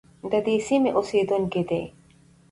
د دې سیمې اوسیدونکي دي.